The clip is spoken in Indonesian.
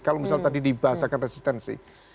kalau misal tadi dibahas akan resistensi